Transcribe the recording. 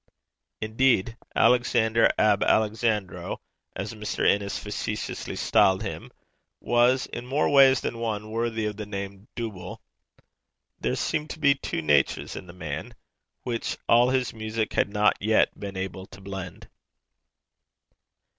Indeed, Alexander ab Alexandro, as Mr. Innes facetiously styled him, was in more ways than one worthy of the name of Dooble. There seemed to be two natures in the man, which all his music had not yet been able to blend.